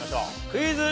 クイズ。